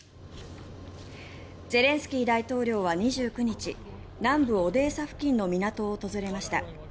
ゼレンスキー大統領は２９日南部オデーサ付近の港を訪れました。